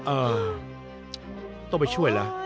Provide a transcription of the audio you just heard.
เออต้องไปช่วยนะ